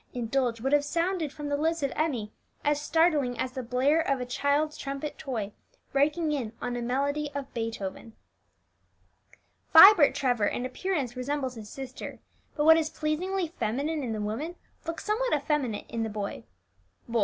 indulge would have sounded from the lips of Emmie as startling as the blare of a child's trumpet toy breaking in on a melody of Beethoven. Vibert Trevor in appearance resembles his sister; but what is pleasingly feminine in the woman looks somewhat effeminate in the boy. Boy!